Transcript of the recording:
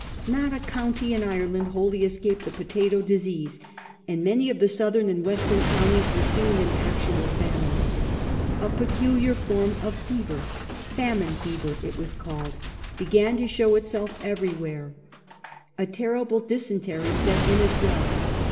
Not a county in Ireland wholly escaped the potato disease, and many of the southern and western counties were soon in actual famine. A peculiar form of fever famine fever it was called— began to show itself 1845 6 . FAMINE FEYER. 419 everywhere. A terrible dysentery set in as well.